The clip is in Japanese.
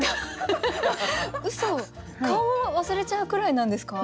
顔を忘れちゃうくらいなんですか？